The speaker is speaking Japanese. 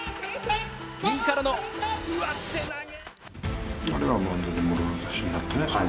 右からの上手投げ！